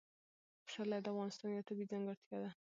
پسرلی د افغانستان یوه طبیعي ځانګړتیا ده.